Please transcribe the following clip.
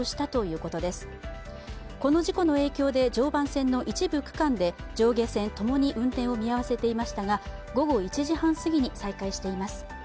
この事故の影響で、常磐線の一部区間で上下線ともに運転を見合わせていましたが、午後１時半すぎに再開しています。